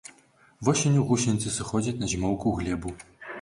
Восенню гусеніцы сыходзяць на зімоўку ў глебу.